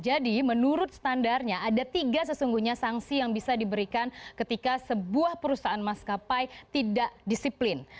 menurut standarnya ada tiga sesungguhnya sanksi yang bisa diberikan ketika sebuah perusahaan maskapai tidak disiplin